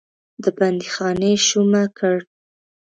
د بندیخانې شومه کړ.